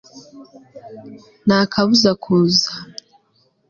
Nta kabuza kuza